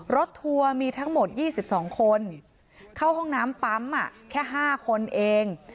ทัวร์มีทั้งหมด๒๒คนเข้าห้องน้ำปั๊มแค่๕คนเอง